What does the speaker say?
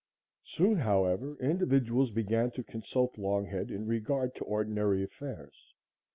Soon, however, individuals began to consult Longhead in regard to ordinary affairs.